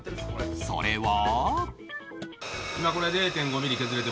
それは。